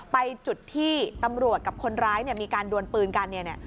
ไปจุดที่ตำรวจกับคนร้ายมีการโดนปืนกัน